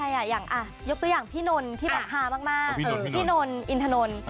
ยกตัวอย่างพี่นนที่ฮามากพี่นนอินทนน